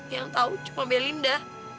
yang tau cuma belinda